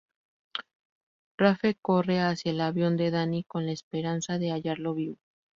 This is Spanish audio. Rafe corre hacia el avión de Danny con la esperanza de hallarlo vivo.